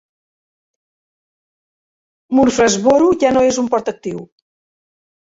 Murfreesboro ja no és un port actiu.